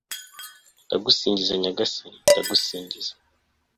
ndagusingiza nyagasani, ndagusingiza